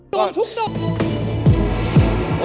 โดรนชุฟำดอก